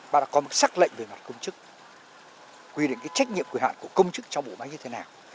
bác đã có một sắc lệnh về mặt công chức quy định trách nhiệm quy hạn của công chức trong bộ máy như thế nào